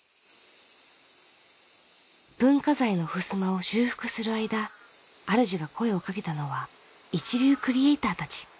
文化財のふすまを修復する間あるじが声をかけたのは一流クリエーターたち。